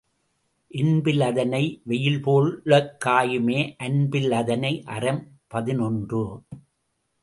NP லதனை வெயில்போலக் காயுமே அன்பி லதனை அறம் பதினொன்று .